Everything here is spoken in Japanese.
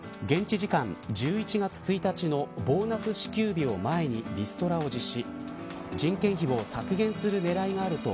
現地時間１１月１日のボーナス支給日を前にリストラを実施。